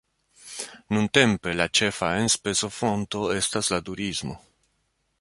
Nuntempe la ĉefa enspezofonto estas la turismo.